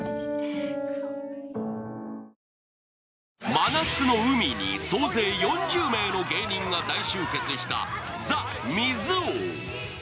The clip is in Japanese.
真夏の海に総勢４０名の芸人が大集結した「ＴＨＥ水王」。